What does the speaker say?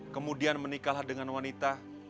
kemudian menikahlah dengan wanita